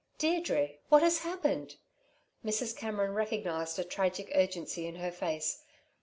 "Deirdre, what has happened?" Mrs. Cameron recognised a tragic urgency in her face.